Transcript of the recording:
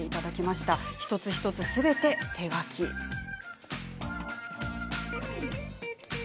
一つ一つ、すべて手描きです。